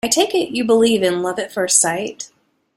I take it you believe in love at first sight?